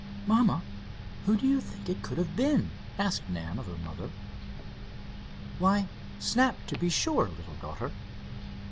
"Mamma, who do you think it could have been?" asked Nan of her mother. "Why, Snap, to be sure, little daughter."